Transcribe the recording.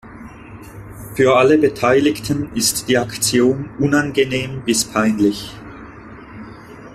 Für alle Beteiligten ist die Aktion unangenehm bis peinlich.